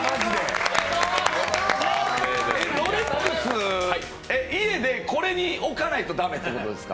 ロレックス、家でこれに置かないと駄目ってことですか？